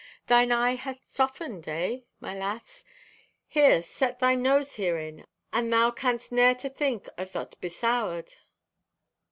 Thine eye hath softened, eh, my lass? Here, set thy nose herein and thou canst ne'er to think a tho't besoured."